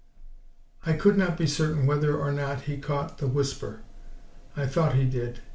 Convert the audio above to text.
I could not be certain whether or not he caught the whisper; I thought he did.